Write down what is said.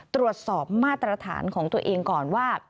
ตรวจสอบมาตรฐานของตัวเองก่อนว่า